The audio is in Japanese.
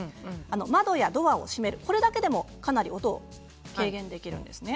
窓やドアを閉めるこれだけでもかなり音を軽減できるんですね。